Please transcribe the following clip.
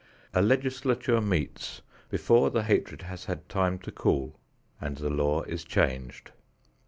A legislature meets before the hatred has had time to cool and the law is changed.